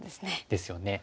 ですよね。